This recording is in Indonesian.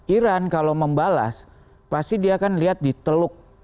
iran kalau membalas pasti dia akan lihat di teluk